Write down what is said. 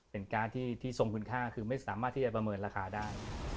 การ์ดที่ทรงคุณค่าคือไม่สามารถที่จะประเมินราคาได้